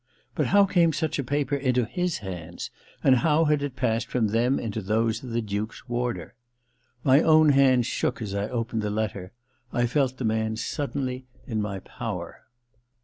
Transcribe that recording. But how came such a paper into his hands, and how had it passed from them into those of the Duke's warder? My own hands shook as I opened the letter — I felt the man suddenly in my power.